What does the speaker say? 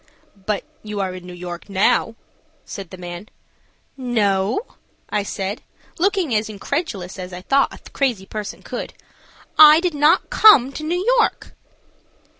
"But you are in New York now," said the man. "No," I said, looking as incredulous as I thought a crazy person could, "I did not come to New York."